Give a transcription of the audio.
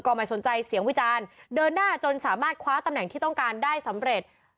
ไม่สนใจเสียงวิจารณ์เดินหน้าจนสามารถคว้าตำแหน่งที่ต้องการได้สำเร็จ